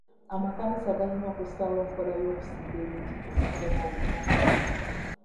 Amakanisa galina okussawo enkola y'okusimba emiti okukuuma obutonde.